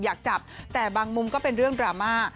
อยากจับแต่บางมุมก็เป็นเรื่องดราม่า